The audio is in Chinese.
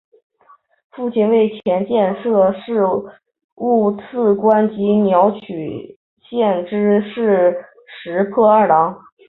父亲为前建设事务次官及鸟取县知事石破二朗。